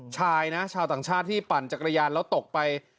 ชายนะชาวต่างชาติที่ปั่นจักรยานแล้วตกไป